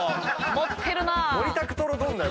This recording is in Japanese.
持ってるな！